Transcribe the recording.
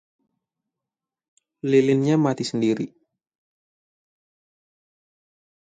Lilinnya mati sendiri.